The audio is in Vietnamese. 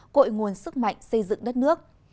cội nguồn sức mạnh xây dựng đất nước